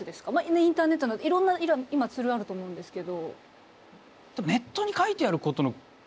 インターネットなどいろんな今ツールあると思うんですけど。